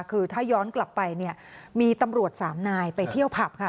คือถ้าย้อนกลับไปเนี่ยมีตำรวจสามนายไปเที่ยวผับค่ะ